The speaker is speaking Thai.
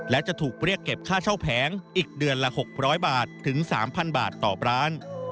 และจะถูกเรียกเก็บค่าเช่าแผงอีกเดือนละ๖๐๐บาทถึง๓๐๐บาทต่อร้าน